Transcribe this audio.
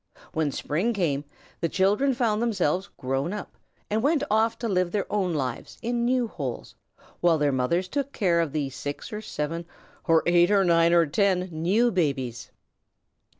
When spring came, the children found themselves grown up and went off to live their own lives in new holes, while their mothers took care of the six or seven or eight or nine or ten new babies.